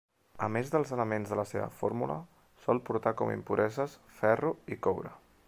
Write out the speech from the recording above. A més dels elements de la seva fórmula, sol portar com impureses: ferro i coure.